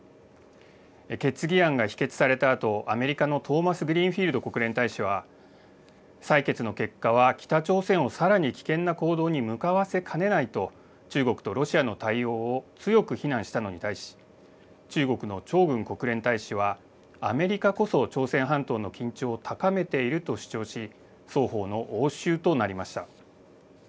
決議案が否決されたあと、アメリカのトーマスグリーンフィールド国連大使は、採決の結果は北朝鮮をさらに危険な行動に向かわせかねないと、中国とロシアの対応を強く非難したのに対し、中国の張軍国連大使は、アメリカこそ朝鮮半島の緊張を高めていると主張し、双方の応酬となりました。